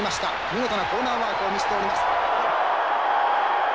見事なコーナーワークを見せております。